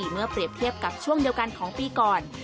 เมื่อเปรียบเทียบกับช่วงเดียวกันของปีก่อน